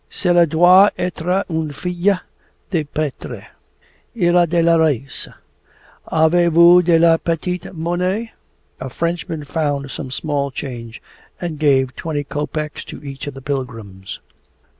Cela doit etre un fils de preetre. Il a de la race. Avez vous de la petite monnaie?' The Frenchman found some small change and gave twenty kopeks to each of the pilgrims.